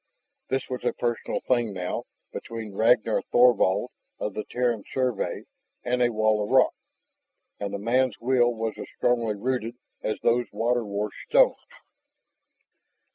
This was a personal thing now, between Ragnar Thorvald of the Terran Survey and a wall of rock, and the man's will was as strongly rooted as those water washed stones.